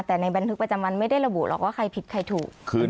แต่ในบันทึกประจำวันไม่ได้ระบุหรอกว่าใครผิดใครถูก